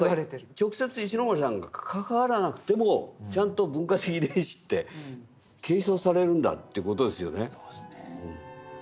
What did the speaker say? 直接石森さんが関わらなくてもちゃんと文化的遺伝子って継承されるんだって事ですよね。